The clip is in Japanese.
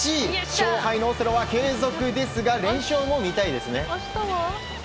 勝敗のオセロは継続ですが連勝も見たいですね。